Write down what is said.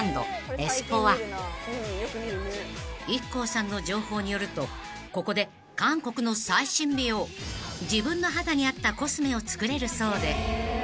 ［ＩＫＫＯさんの情報によるとここで韓国の最新美容自分の肌に合ったコスメを作れるそうで］